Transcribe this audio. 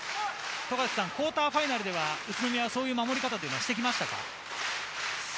クオーターファイナルでは宇都宮はそんな守り方をしてきましたか？